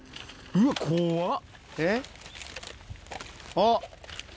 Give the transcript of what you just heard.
あっ。